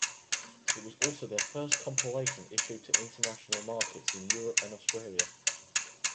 It was also their first compilation issued to international markets in Europe and Australia.